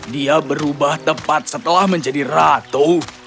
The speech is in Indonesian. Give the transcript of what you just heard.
dia berubah tepat setelah menjadi ratu